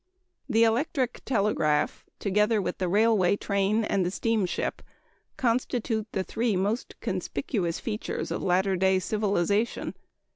The electric telegraph, together with the railway train and the steamship, constitute the three most conspicuous features of latter day civilization.